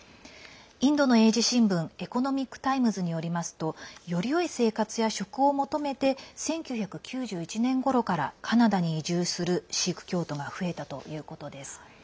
インドの英字新聞エコノミック・タイムズによりますとよりよい生活や職を求めて１９９１年ごろからカナダに移住するシーク教徒が増えたということです。